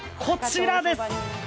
こちらです！